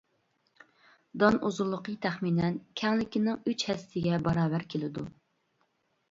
دان ئۇزۇنلۇقى تەخمىنەن كەڭلىكىنىڭ ئۈچ ھەسسىسىگە باراۋەر كېلىدۇ.